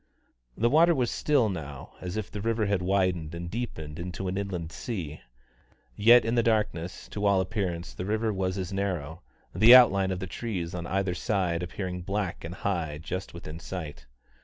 The water was as still now as if the river had widened and deepened into an inland sea; yet in the darkness to all appearance the river was as narrow, the outline of the trees on either side appearing black and high just within sight.